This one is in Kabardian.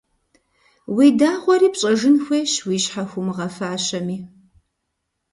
Уи дагъуэри пщӀэжын хуейщ, уи щхьэ хуумыгъэфащэми.